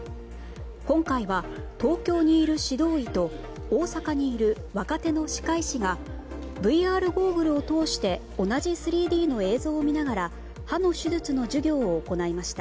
今回は東京にいる指導医と大阪にいる若手の歯科医師がＶＲゴーグルを通して同じ３Ｄの映像を見ながら歯の手術の授業を行いました。